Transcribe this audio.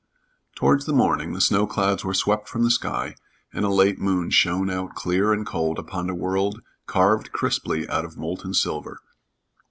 Towards morning the snow clouds were swept from the sky, and a late moon shone out clear and cold upon a world carved crisply out of molten silver.